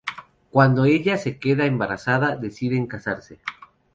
Cuando ella se queda embarazada, deciden casarse.